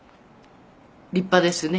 「立派ですね」